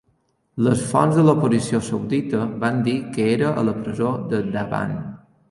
Les fonts de l'oposició saudita van dir que era a la presó de Dhaban.